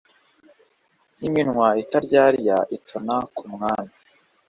iminwa itaryarya itona ku mwami